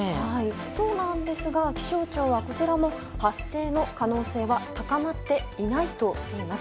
そうなんですが気象庁は、こちらも発生の可能性は高まっていないとしています。